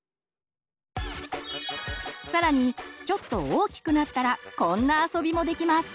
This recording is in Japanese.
更にちょっと大きくなったらこんな遊びもできます！